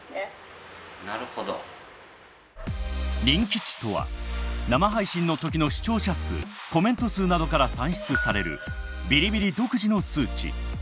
人気値とは生配信の時の視聴者数コメント数などから算出されるビリビリ独自の数値。